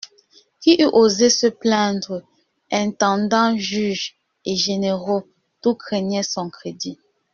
Qui eût osé se plaindre ? Intendant, juges et généraux, tout craignait son crédit.